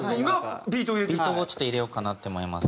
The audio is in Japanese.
ビートをちょっと入れようかなって思います。